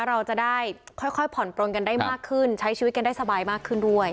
เราจะได้ค่อยผ่อนปลนกันได้มากขึ้นใช้ชีวิตกันได้สบายมากขึ้นด้วย